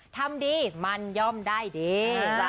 ทำดีมันย่อมได้ดี